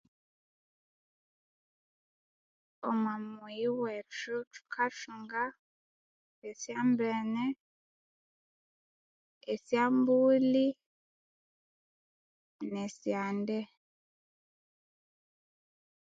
Omwa muyi wethu thukathunga esyambene esyambuli ne syande